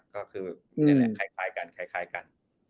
ก็คือคลายกัน